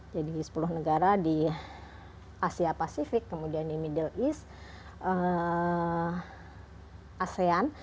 jadi sepuluh negara di asia pasifik kemudian di middle east asean